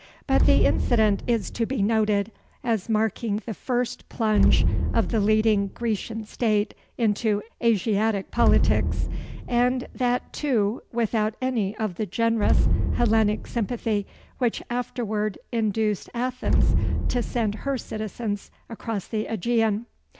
But the incident is to be noted, as marking the first plunge of the leading Grecian state into Asiatic politics; and that too without any of the generous Hellenic sympathy which afterward induced Athens to send her citizens across the Ægean.